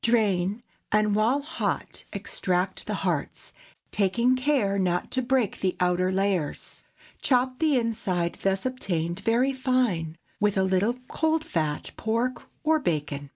Drain, and while hot extract the hearts, taking care not to break the outer layers. Chop the inside thus obtained very fine, with a little cold fat pork or bacon.